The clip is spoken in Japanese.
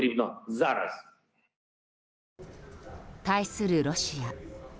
対するロシア。